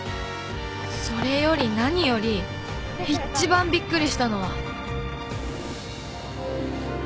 それより何より一番びっくりしたのは